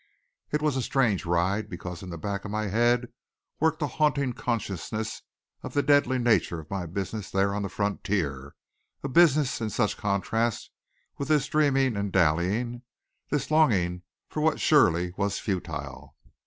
It was a strange ride because in the back of my head worked a haunting consciousness of the deadly nature of my business there on the frontier, a business in such contrast with this dreaming and dallying, this longing for what surely was futile.